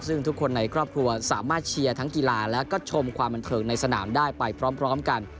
ซึ่งทุกคนในครอบครัวสามารถเชียร์ทั้งกีฬาแล้วก็ชมความบันเทิงในสนามได้ไปพร้อมกัน